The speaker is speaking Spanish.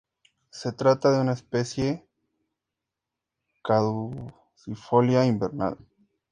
Se trata de una especie caducifolia invernal.